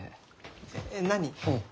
えっ何？